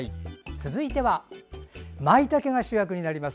続いてはまいたけが主役になります。